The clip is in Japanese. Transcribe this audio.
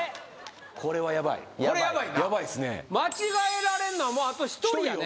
これはやばいこれやばいな間違えられんのはもうあと１人やね